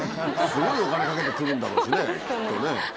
すごいお金かけてくるんだろうしね、きっとね。